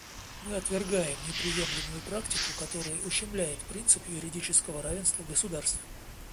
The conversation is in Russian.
Мы отвергаем неприемлемую практику, которая ущемляет принцип юридического равенства государств.